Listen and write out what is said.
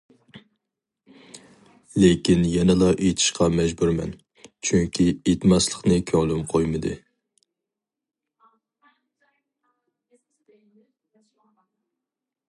لېكىن يەنىلا ئېيتىشقا مەجبۇرمەن. چۈنكى ئېيتماسلىقنى كۆڭلۈم قويمىدى.